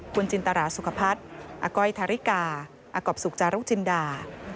คุณจินตารสุขภัษฐ์อักก้อยทริกาอักกบศุกรรกษ์จินดา